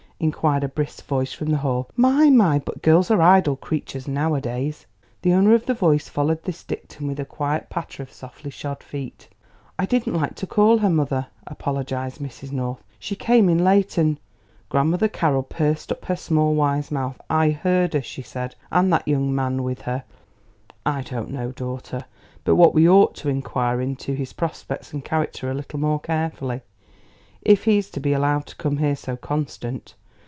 inquired a brisk voice from the hall. "My, my! but girls are idle creatures nowadays!" The owner of the voice followed this dictum with a quick patter of softly shod feet. "I didn't like to call her, mother," apologised Mrs. North. "She came in late, and " Grandmother Carroll pursed up her small, wise mouth. "I heard her," she said, "and that young man with her. I don't know, daughter, but what we ought to inquire into his prospects and character a little more carefully, if he's to be allowed to come here so constant.